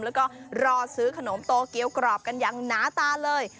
แล้วก็รอซื้อขนมโตเกียวกรอบกันอย่างหนาตาเลย